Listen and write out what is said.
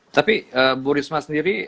tapi bu risma sendiri